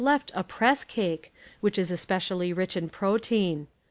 lett a press eake whieli is especially rieli in ])ro tein.